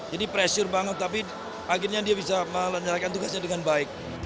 jadi pressure banget tapi akhirnya dia bisa menjalankan tugasnya dengan baik